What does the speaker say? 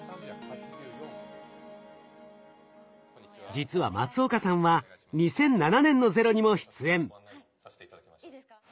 実は松岡さんは２００７年の「ＺＥＲＯ」にも出演。